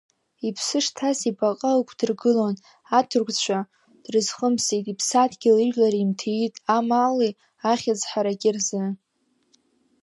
Иԥсы шҭаз ибаҟа ықәдыргылон аҭырқәцәа, дрызхымхит, иԥсадгьыли ижәлари имҭиит амали ахьыӡ ҳараки рзы.